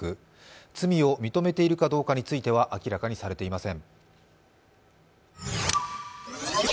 罪を認めているかどうかについては明らかにされていません。